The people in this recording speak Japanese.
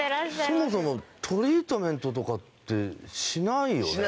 そもそもトリートメントとかってしないよね。